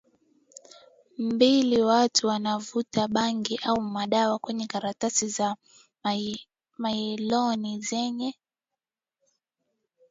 mbili watu wanavuta bangi au madawa kwenye karatasi za nailoni zenye